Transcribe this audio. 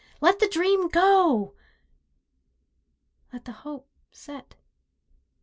Let the dream go!! Let the hope set.